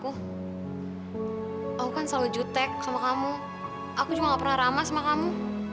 kalau kan selesai troops kamu aku juga panggung ramah sama kamu